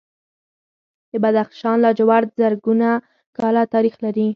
د بدخشان لاجورد زرګونه کاله تاریخ لري